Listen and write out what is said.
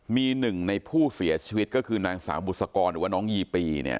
มีหนึ่งในผู้เสียชีวิตก็คือนางสาวบุษกรหรือว่าน้องยีปีเนี่ย